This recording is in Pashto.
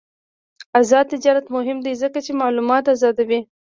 آزاد تجارت مهم دی ځکه چې معلومات آزادوي.